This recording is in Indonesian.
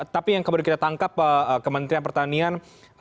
tapi yang kemudian kita tangkap kementerian pertanian